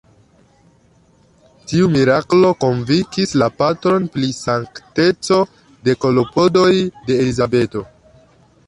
Tiu miraklo konvinkis la patron pri sankteco de klopodoj de Elizabeto.